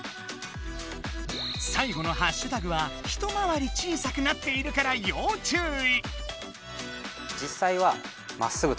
さいごのハッシュタグは一回り小さくなっているから要注意！